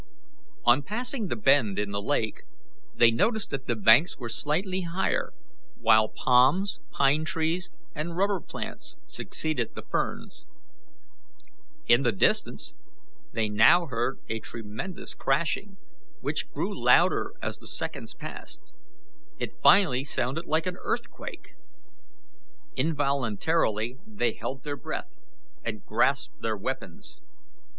On passing the bend in the lake they noticed that the banks were slightly higher, while palms, pine trees, and rubber plants succeeded the ferns. In the distance they now heard a tremendous crashing, which grew louder as the seconds passed. It finally sounded like an earthquake. Involuntarily they held their breath and grasped their weapons.